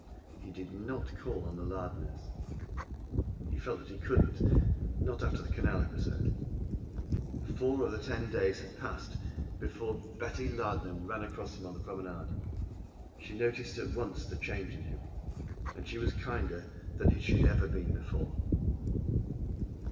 He did not call on the Lardners. He felt that he couldn't after the canal episode. Four of the ten days had passed before Betty Lardner ran across him on the promenade. She noticed at once the change in him, and was kinder than she had ever been before.